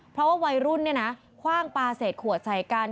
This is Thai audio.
เพราะว่าวัยรุ่นคว่างปลาเศษขวดใส่กัน